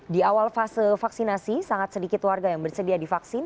di awal fase vaksinasi sangat sedikit warga yang bersedia divaksin